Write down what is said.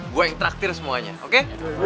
gue yang traktir semuanya oke